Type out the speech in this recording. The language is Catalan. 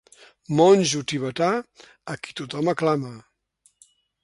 Monjo tibetà a qui tothom aclama.